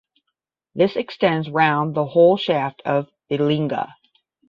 This extends round the whole shaft of the linga.